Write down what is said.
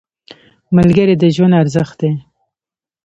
ملګری د ژوند ارزښت دی